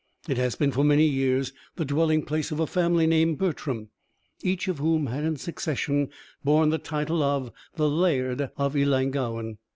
It had been for many years the dwelling place of a family named Bertram, each of whom had in succession borne the title of the Laird of Ellangowan.